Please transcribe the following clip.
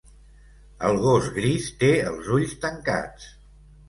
El gos gris té els ulls tancats.